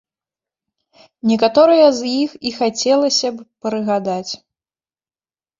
Некаторыя з іх і хацелася б прыгадаць.